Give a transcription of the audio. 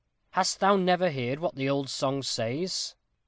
Hast never heard what the old song says?"